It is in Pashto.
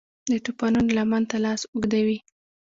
د توپانونو لمن ته لاس اوږدوي